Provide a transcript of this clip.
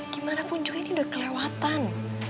gimanapun juga ini udah kelewatan